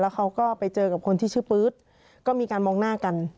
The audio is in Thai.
เขาก็ไปเจอกับคนที่ชื่อปื๊ดก็มีการมองหน้ากัน